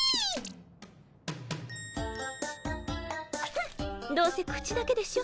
フンどうせ口だけでしょ。